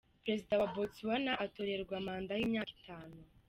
Perezida wa Botswana atorerwa manda y’imyaka itanu.